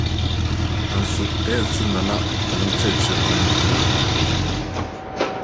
Nanso dɛn so na na wɔn nkyerɛkyerɛmu no gyina?